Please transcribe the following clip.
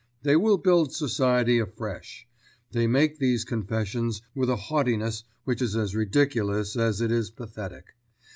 They will build society afresh. They make these confessions with a haughtiness which is as ridiculous as it is pathetic.